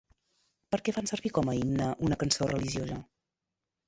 Per què fan servir com a himne una cançó religiosa?